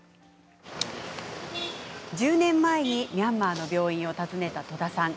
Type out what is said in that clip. １０年前、ミャンマーの病院を訪ねた戸田さん。